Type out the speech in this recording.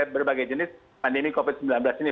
berbagai jenis pandemi covid sembilan belas ini